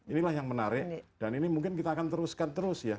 inilah yang menarik dan ini mungkin kita akan teruskan terus ya